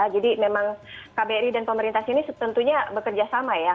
jadi memang kbri dan pemerintah sini tentunya bekerja sama ya